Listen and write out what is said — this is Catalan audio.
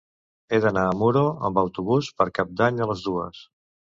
He d'anar a Muro amb autobús per Cap d'Any a les dues.